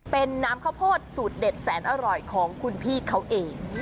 เป็นน้ำข้าวโพดสูตรเด็ดแสนอร่อยของคุณพี่เขาเอง